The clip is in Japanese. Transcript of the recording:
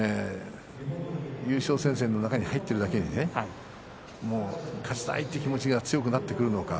優勝戦線の中に入っているだけに勝ちたいという気持ちが強くなってくるのか